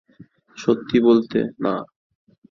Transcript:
সত্যি বলতে, না।